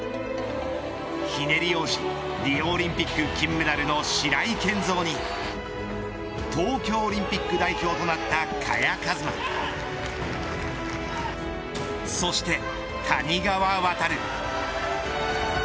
ひねり王子、リオオリンピック金メダルの白井健三に東京オリンピック代表となった萱和磨とそして谷川航。